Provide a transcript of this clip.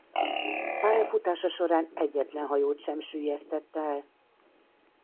Pályafutása során egyetlen hajót sem süllyesztett el.